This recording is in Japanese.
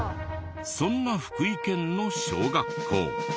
そんな福井県の小学校。